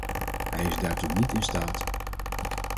Hij is daartoe niet in staat.